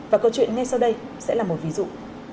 và câu chuyện ngay sau đây sẽ là một ví dụ